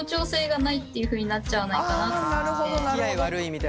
つきあい悪いみたいなね。